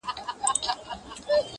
د ناروغۍ پر بستر پرېوت